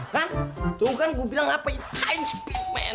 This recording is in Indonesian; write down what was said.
kan tuh kan gue bilang apa itu high speed men